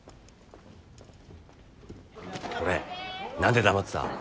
これ何で黙ってた？